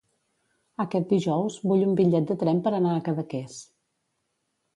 Aquest dijous vull un bitllet de tren per anar a Cadaqués.